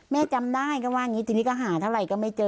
แม่จำได้ก็ว่าจริงมาหาเท่าไหร่ก็ไม่เจอ